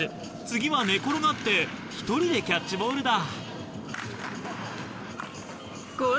次は寝転がって１人でキャッチボールだ。